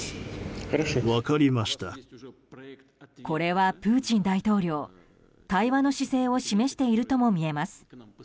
これはプーチン大統領対話の姿勢を示しているとも見えます。